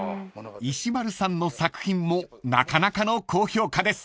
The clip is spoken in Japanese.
［石丸さんの作品もなかなかの高評価です］